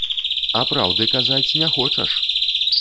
А праўды казаць не хочаш!